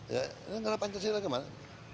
ya negara pancasila gimana